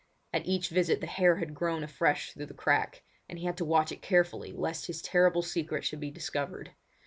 At each visit the hair had grown afresh through the crack, and he had to watch it carefully lest his terrible secret should be discovered.